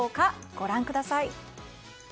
ご覧ください。